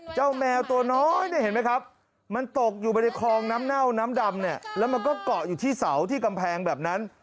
แมวตัวน้อยเนี่ยเห็นไหมครับมันตกอยู่ไปในคลองน้ำเน่าน้ำดำเนี่ยแล้วมันก็เกาะอยู่ที่เสาที่กำแพงแบบนั้น